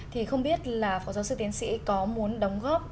thì không biết là phó giáo sư tiến sĩ có muốn đóng góp